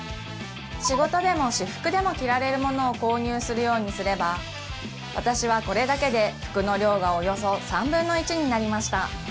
仕事でも私服でも着られるものを購入するようにすれば私はこれだけで服の量がおよそ３分の１になりました